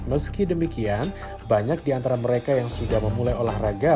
meski demikian banyak di antara mereka yang sudah memulai olahraga